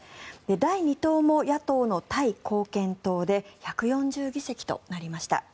第２党も野党のタイ貢献党で１４０議席となりました。